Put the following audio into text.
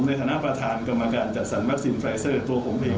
ในฐานะประธานกรรมการจัดสรรวัคซีนไฟเซอร์ตัวผมเอง